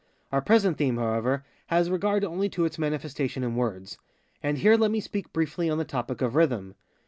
Our present theme, however, has regard only to its manifestation in words. And here let me speak briefly on the topic of rhythm.